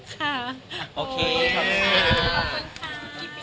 ขอบคุณค่ะ